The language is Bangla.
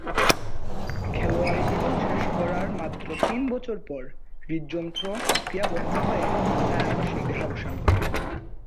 খেলোয়াড়ী জীবন শেষ করার মাত্র তিন বছর পর হৃদযন্ত্র ক্রিয়া বন্ধ হয়ে তার আকস্মিক দেহাবসান ঘটে।